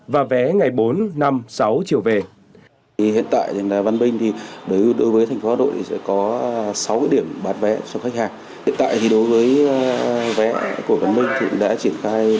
và vé ngày bốn năm sáu chiều về